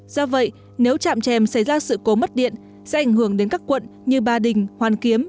do vậy nếu trạm chèm xảy ra sự cố mất điện sẽ ảnh hưởng đến các quận như ba đình hoàn kiếm